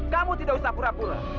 kamu tidak usah pura pura